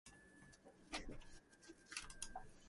Toad in the hole involves throwing brass discs at a hole in a box.